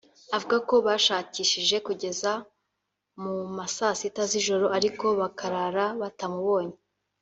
avuga ko bashakishije kugeza mu ma saa sita z’ijoro ariko bakarara batamubonye